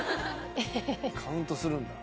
「カウントするんだ」